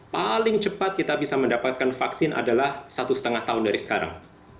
paling cepat kita bisa mendapatkan vaksin adalah satu setengah tahun dari sekarang